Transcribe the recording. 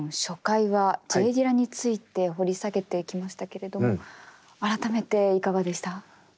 初回はＪ・ディラについて掘り下げてきましたけれども改めていかがでした？